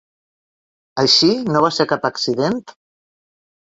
Així, no va ser cap accident?